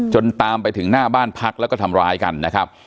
ตามไปถึงหน้าบ้านพักแล้วก็ทำร้ายกันนะครับ